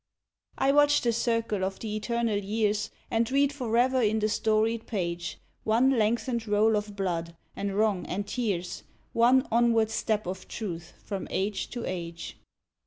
I watch the circle of the eternal years, And read forever in the storied page One lengthened roll of blood, and wrong, and tears, One onward step of Truth from age to age.